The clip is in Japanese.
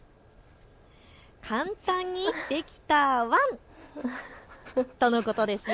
簡単にできたワン！とのことですよ。